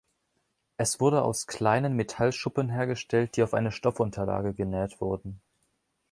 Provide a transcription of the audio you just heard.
Es wurde aus kleinen Metallschuppen hergestellt, die auf eine Stoffunterlage genäht wurden.